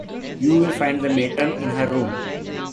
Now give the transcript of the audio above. You will find the matron in her room.